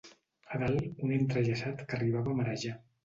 A dalt, un entrellaçat que arribava a marejar